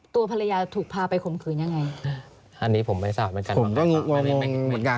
ตัวภรรยาถูกพาไปคมคืนยังไงอันนี้ผมไม่ทราบเหมือนกันผมก็งงเหมือนกัน